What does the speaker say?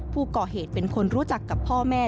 ผู้ก่อเหตุเป็นคนรู้จักกับพ่อแม่